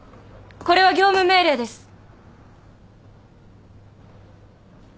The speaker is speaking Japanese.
これは業務命令です！